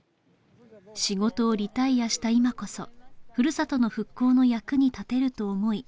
仕事をリタイアした今こそふるさとの復興の役に立てると思い